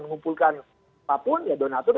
mengumpulkan apapun ya donator